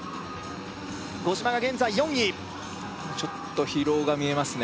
五島が現在４位ちょっと疲労が見えますね